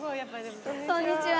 こんにちは。